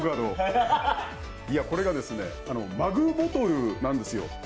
これがですね、マグボトルなんですよ。